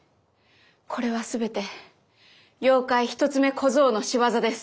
これは全て妖怪一つ目小僧の仕業です。